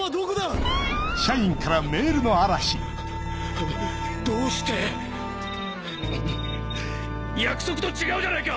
ハァハァどうして⁉約束と違うじゃないか！